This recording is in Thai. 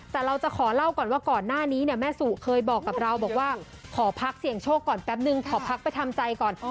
แต่เราจะขอเล่าก่อนว่าก่อนหน้านี้เนี่ยแม่สุเคยบอกกับเราบอกว่าขอพักเสี่ยงโชคก่อนแป๊บนึงขอพักไปทำใจก่อน